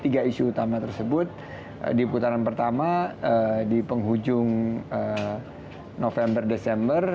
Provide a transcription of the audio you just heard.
tiga isu utama tersebut di putaran pertama di penghujung november desember